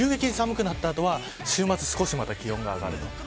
急激に寒くなった後は週末、少しまた気温が上がる。